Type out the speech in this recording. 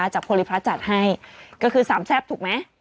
โพลิพัสจัดให้ก็คือสามแซ่บถูกไหม